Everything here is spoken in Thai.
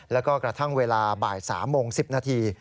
แล้วก็กระทั่งเวลาบ่าย๓โมง๑๐นาที